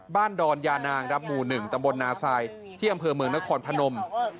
ดอนยานางครับหมู่๑ตำบลนาซายที่อำเภอเมืองนครพนม